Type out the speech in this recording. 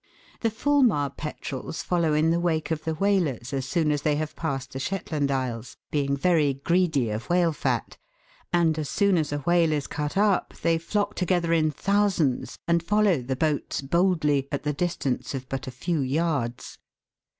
The Fulmar Petrels follow in the wake of the whalers as soon as they have passed the Shetland Isles, being very greedy of whale fat, and as soon as a whale is cut up they flock together in thousands and follow the boats boldly at the distance of but a few yards.